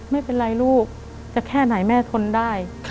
ไม่เป็นไรลูกจะแค่ไหนแม่ทนได้